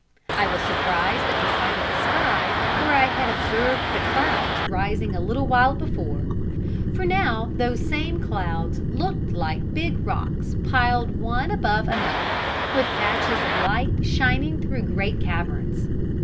I was surprised at the sight of the sky where I had observed the clouds rising a little while before, for now those same clouds looked like big rocks piled one above another, with patches of light shining through great caverns.